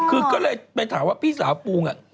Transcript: คือก็เลยไปถามว่าพี่สาวปูง